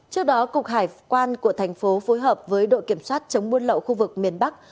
trước đó cục hải quan của thành phố phối hợp với đội kiểm soát chống buôn lậu khu vực miền bắc